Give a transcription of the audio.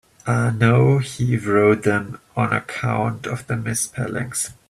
I know he wrote them on account of the misspellings.